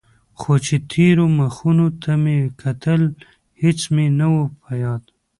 خو چې تېرو مخونو ته مې کتل هېڅ مې نه و په ياد.